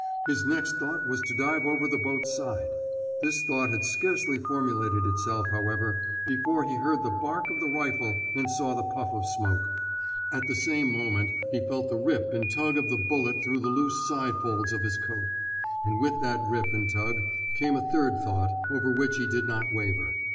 His next thought was to dive over the boat's side. This thought had scarcely formulated itself, however, before he heard the bark of the rifle and saw the puff of smoke. At the same moment he felt the rip and tug of the bullet through the loose side folds of his coat. And with that rip and tug came a third thought, over which he did not waver.